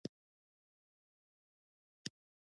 سالم تخمونه د حاصل زیاتوالي لپاره مهم دي.